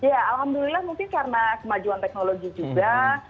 ya alhamdulillah mungkin karena kemajuan teknologi juga